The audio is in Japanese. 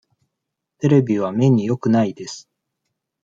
テレビは目によくないです。